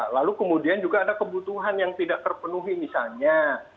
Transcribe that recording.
lalu kemudian juga ada kebutuhan yang tidak terpenuhi misalnya